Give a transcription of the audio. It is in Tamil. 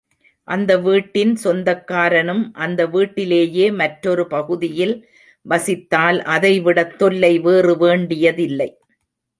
அந்த வீட்டின் சொந்தக்காரனும் அந்த வீட்டிலேயே மற்றொரு பகுதியில் வசித்தால் அதைவிடத் தொல்லை வேறு வேண்டியதில்லை.